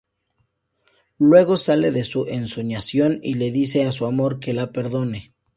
Luego sale de su ensoñación y le dice a su amor que la perdone.